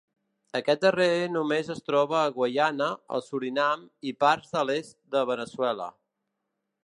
Aquest darrer només es troba a Guyana, el Surinam i parts de l'est de Veneçuela.